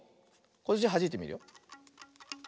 こっちはじいてみるよ。